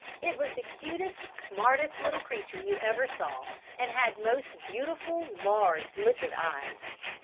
It was the cutest, smartest little creature you ever saw, and had most beautiful, large, liquid eyes.